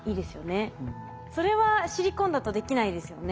それはシリコンだとできないですよね？